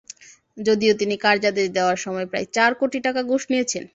যদিও তিনি কার্যাদেশ দেওয়ার সময় প্রায় চার কোটি টাকা ঘুষ নিয়েছেন।